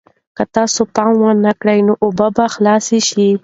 که تاسې پام ونه کړئ نو اوبه به خلاصې شي.